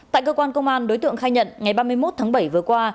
tại cơ quan công an đối tượng khai nhận ngày ba mươi một tháng bảy vừa qua